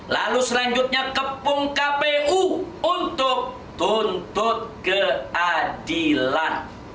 lalu selanjutnya kepung kpu untuk tuntut keadilan